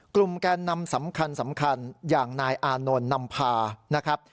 กลุ่มแก้นนำสำคัญอย่างนายอานนท์นำพา